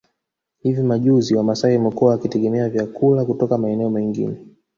Hivi majuzi wamasai wamekuwa wakitegemea vyakula kutoka maeneo mengine